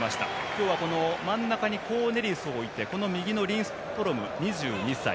今日は真ん中にコーネリウスを置いて右のリンストロム、２２歳。